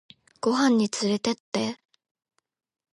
ご飯につれてって